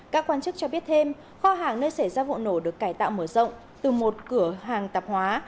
các quan chức cho biết thêm kho hàng nơi xảy ra vụ nổ được cải tạo mở rộng từ một cửa hàng tạp hóa